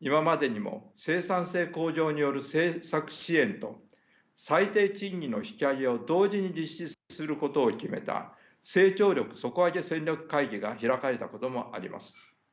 今までにも生産性向上による政策支援と最低賃金の引き上げを同時に実施することを決めた成長力底上げ戦略会議が開かれたこともあります。